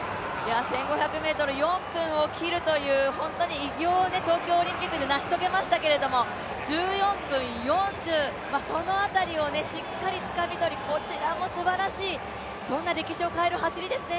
１５００ｍ４分を切るという偉業を東京オリンピックで成し遂げましたけど１４分４０、その辺りをしっかりつかみとり、そちらもすばらしい、そんな歴史を変える走りですね。